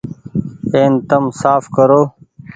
اين تم ساڦ ڪرو۔